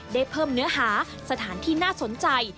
ได้เพิ่มเนื้อหาสถานที่น่าสนใจ